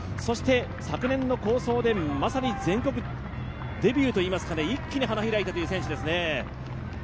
昨年の好走でまさに全国デビューといいますか、一気に花開いたという選手ですね。